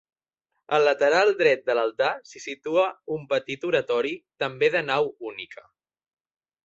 Al lateral dret de l'altar s'hi situa un petit oratori també de nau única.